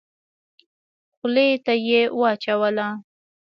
خولې ته يې واچوله.